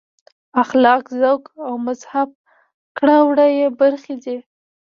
اخلاق ذوق او مهذب کړه وړه یې برخې دي.